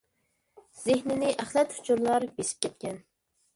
زېھىننى ئەخلەت ئۇچۇرلار بېسىپ كەتكەن.